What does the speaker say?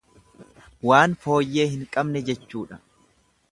Waan fooyyee hin qabne jechuudha.